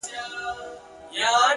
هغه شپه مي ټوله سندريزه وه ـ